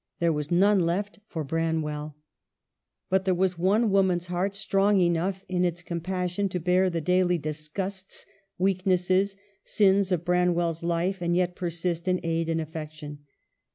There was none left for Bran well. But there was one woman's heart strong enough in its compassion to bear the daily dis gusts, weaknesses, sins of Branwell's life, and yet persist in aid and affection.